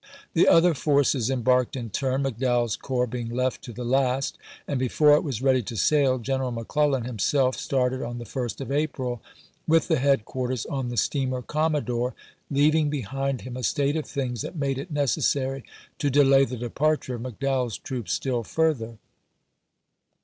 The other forces embarked in turn, McDowell's corps being left to the last ; and before it was ready to sail. General McClellan himself started on the 1st of April, with the headquarters on the steamer Commodore^ leaving behind him a state of things that made it neces sary to delay the departure of McDowell's troops stiU further.